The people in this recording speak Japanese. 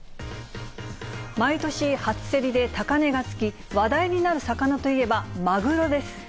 毎年、初競りで高値がつき、話題になる魚といえば、マグロです。